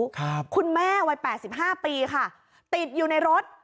คุณแม่วัย๘๕ปีค่ะติดอยู่ในรถ